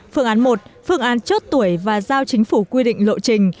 phương án một phương án chốt tuổi và giao chính phủ quy định lộ trình